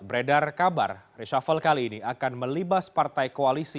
beredar kabar reshuffle kali ini akan melibas partai koalisi